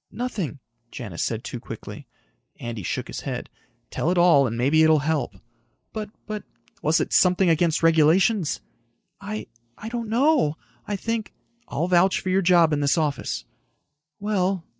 "Nothing," Janis said too quickly. Andy shook his head. "Tell it all and maybe it'll help." "But ... but...." "Was it something against regulations?" "I ... I don't know. I think...." "I'll vouch for your job in this office." "Well...."